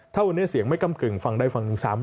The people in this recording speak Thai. ถ้าวันนี้เสียงไม่ก้ำกึ่งฝั่งใดฝั่งหนึ่ง๓๐๐